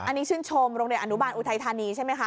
อันนี้ชื่นชมโรงเรียนอนุบาลอุทัยธานีใช่ไหมคะ